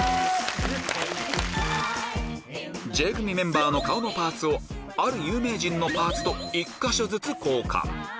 Ｊ組メンバーの顔のパーツをある有名人のパーツと１か所ずつ交換